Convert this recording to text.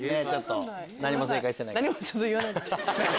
ちょっと言わないで。